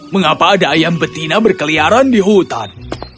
mengapa ada ayam betina berkeliaran di hutan